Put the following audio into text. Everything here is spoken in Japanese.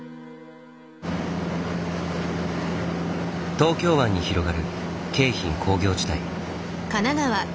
東京湾に広がる京浜工業地帯。